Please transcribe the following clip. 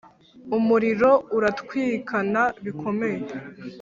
Umuriro uratwikana bikomeye.